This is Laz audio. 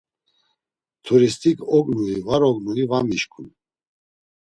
Turist̆ik ognui var ognui, var mişǩun.